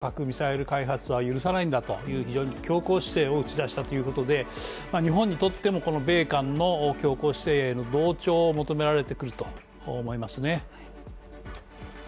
北朝鮮の核ミサイル開発は許さないんだという非常に強硬姿勢を打ち出したということで、日本にとってもこの米韓の強硬姿勢への同調を求められてくると思いますね。